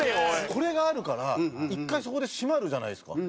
これがあるから１回そこで締まるじゃないですか。